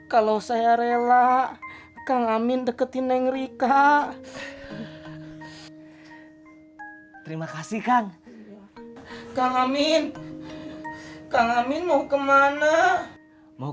kalau saya rela kang amin deketin nengrika terima kasih kang amin kang amin mau kemana mau